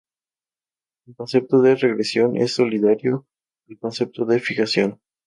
El concepto de regresión es solidario al concepto de fijación.